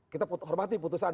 kita hormati putusan tadi